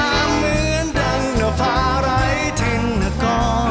เหมือนดังหน้าฟ้าไร้ทิ้นนักก้อน